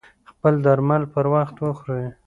خپل درمل پر وخت وخوری